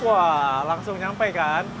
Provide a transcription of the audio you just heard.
wah langsung nyampe kan